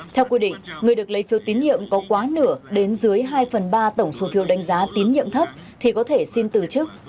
theo quy định người được lấy phiếu tín nhiệm có quá nửa đến dưới hai phần ba tổng số phiếu đánh giá tín nhiệm thấp thì có thể xin từ chức